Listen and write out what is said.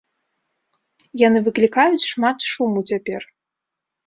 Яны выклікаюць шмат шуму цяпер.